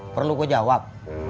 perlu gue jawab